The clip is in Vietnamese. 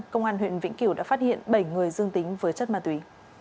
công an huyện vĩnh kiểu đã phát hiện bảy người dương tính với chất ma túy